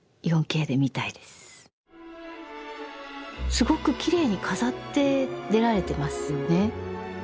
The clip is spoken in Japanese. すごくきれいに飾って出られてますよね。